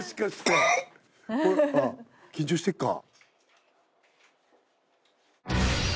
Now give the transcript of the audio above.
あ緊張してっか。